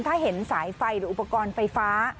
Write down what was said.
ถ้าเห็นสายไฟหรืออุปกรณ์ไฟฟ้า